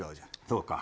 そうか。